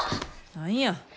何や。